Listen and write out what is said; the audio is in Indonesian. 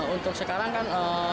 untuk sekarang kan